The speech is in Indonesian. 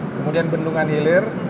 kemudian bendungan hilir